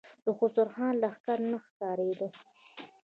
د خسرو خان لښکر نه ښکارېده.